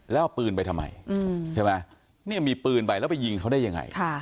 แล้วเอาปืนไปทำไมใช่ไหมเนี่ยมีปืนไปแล้วไปยิงเขาได้ยังไง